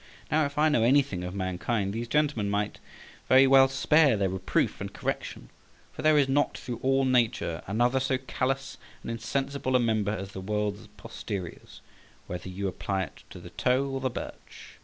Now, if I know anything of mankind, these gentlemen might very well spare their reproof and correction, for there is not through all Nature another so callous and insensible a member as the world's posteriors, whether you apply to it the toe or the birch.